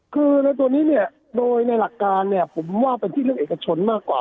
คือในตัวนี้เนี่ยโดยในหลักการเนี่ยผมว่าเป็นที่เรื่องเอกชนมากกว่า